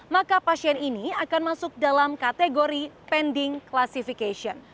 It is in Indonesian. maka pasien ini akan masuk dalam kategori pending classification